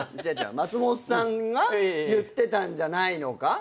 松本さんが言ってたんじゃないのか？